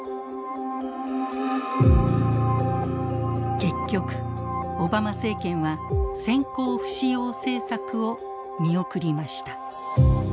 結局オバマ政権は先行不使用政策を見送りました。